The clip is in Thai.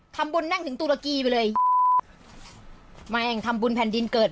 ทำบุญนั่งถึงตุรกีไปเลยแม่แห่งทำบุญแผ่นดินเกิด